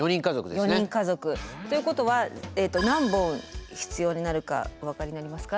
４人家族ということは何本必要になるかお分かりになりますか？